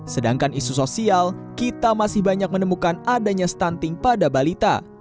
sedangkan isu sosial kita masih banyak menemukan adanya stunting pada balita